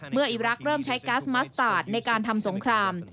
อีรักษ์เริ่มใช้กัสมัสตาร์ทในการทำสงคราม